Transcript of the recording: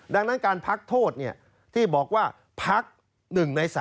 ดังนั้นการพักโทษที่บอกว่าพัก๑ใน๓